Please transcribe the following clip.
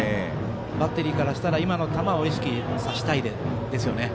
バッテリーからしたら、今の球を意識させたいですよね。